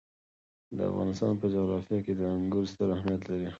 د افغانستان په جغرافیه کې انګور ستر اهمیت لري.